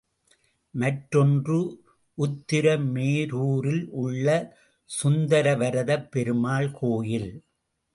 மற்றொன்று உத்திரமேரூரில் உள்ள சுந்தரவரதப் பெருமாள் கோயில்.